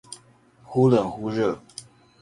忽冷忽熱